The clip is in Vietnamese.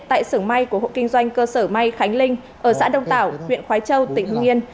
tại sưởng may của hộ kinh doanh cơ sở may khánh linh ở xã đông tảo huyện khói châu tỉnh hưng yên